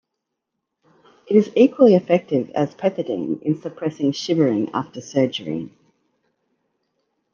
It is equally effective as pethidine in suppressing shivering after surgery.